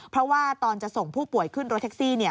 เพราะว่าตอนจะส่งผู้ป่วยขึ้นรถแท็กซี่